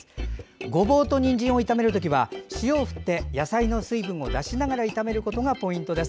ごぼうとにんじんを炒める時は塩を振って野菜の水分を出しながら炒めることがポイントです。